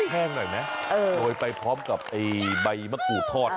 แห้งหน่อยไหมโรยไปพร้อมกับใบมะกรูดทอด